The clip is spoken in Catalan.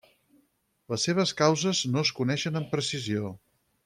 Les seves causes no es coneixen amb precisió.